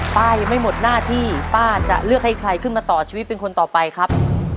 ป้ายังไม่หมดหน้าที่ป้าจะเลือกให้ใครขึ้นมาต่อชีวิตเป็นคนต่อไปครับ